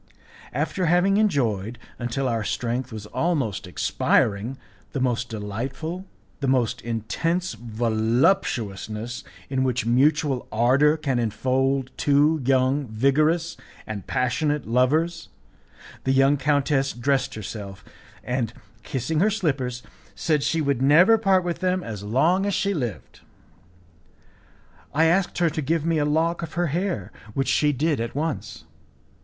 After having enjoyed, until our strength was almost expiring, the most delightful, the most intense voluptuousness in which mutual ardour can enfold two young, vigorous, and passionate lovers, the young countess dressed herself, and, kissing her slippers, said she would never part with them as long as she lived. I asked her to give me a lock of her hair, which she did at once.